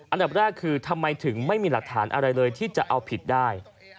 อันดับแรกคือทำไมถึงไม่มีหลักฐานอะไรเลยที่จะเอาผิดได้